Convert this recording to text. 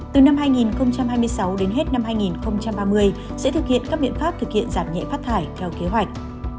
từ năm hai nghìn hai mươi sáu đến hết năm hai nghìn ba mươi sẽ thực hiện các biện pháp thực hiện giảm nhẹ phát thải theo kế hoạch